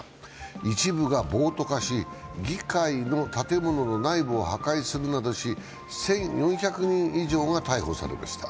一部が暴徒化し、議会の建物の内部を破壊するなどし１４００人以上が逮捕されました。